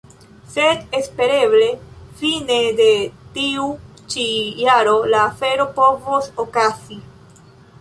Sed espereble fine de tiu ĉi jaro la afero povos okazi.